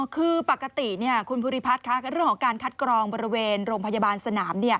คือปกติคุณภูริพัฒน์เรื่องของการคัดกรองบริเวณโรงพยาบาลสนาม